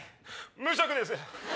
無職です。